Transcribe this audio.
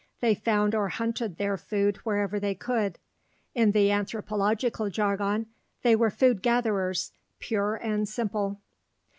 They found or hunted their food wherever they could. In the anthropological jargon, they were "food gatherers," pure and simple.